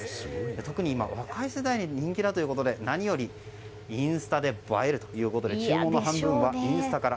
特に今、若い世代に人気だということで何よりインスタで映えるということで注文の半分はインスタから。